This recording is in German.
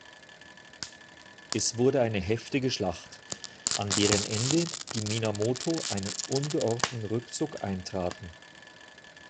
Es wurde eine heftige Schlacht, an deren Ende die Minamoto einen ungeordneten Rückzug antraten.